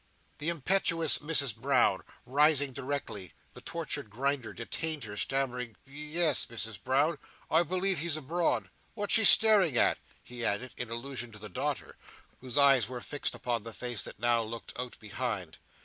The impetuous Mrs Brown rising directly, the tortured Grinder detained her, stammering "Ye es, Misses Brown, I believe he's abroad. What's she staring at?" he added, in allusion to the daughter, whose eyes were fixed upon the face that now again looked out behind.